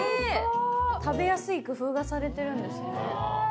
食べやすい工夫がされてるんですね。